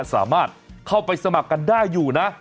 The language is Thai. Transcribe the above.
สามารถเข้าไปสมัครกันได้อยู่นะ